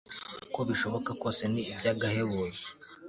uko bishoboka kose ni ibyagahebuzo